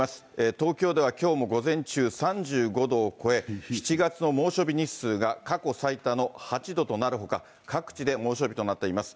東京ではきょうも午前中、３５度を超え、７月の猛暑日日数が過去最多の８度となるほか、各地で猛暑日となっています。